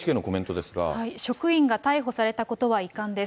職員が逮捕されたことは遺憾です。